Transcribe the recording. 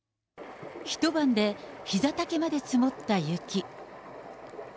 一晩でひざ丈まで積もった雪。